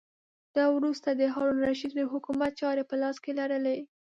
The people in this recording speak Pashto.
ده وروسته د هارون الرشید د حکومت چارې په لاس کې لرلې.